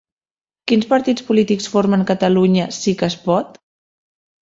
Quins partits polítics formen Catalunya Sí que es Pot?